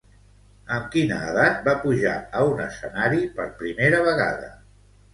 Amb quina edat va pujar a un escenari per primera vegada?